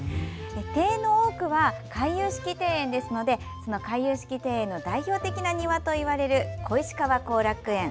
庭園の多くは回遊式庭園ですのでその回遊式庭園の代表的な庭といわれる小石川後楽園。